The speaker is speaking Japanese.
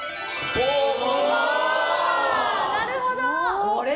なるほど！